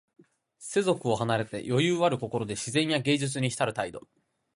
世俗を離れて、余裕ある心で自然や芸術にひたる態度。